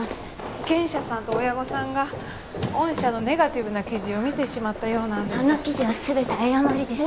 被験者さんと親御さんが御社のネガティブな記事を見てしまったようなんですあの記事は全て誤りです